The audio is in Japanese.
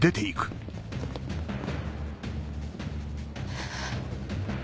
ハァ。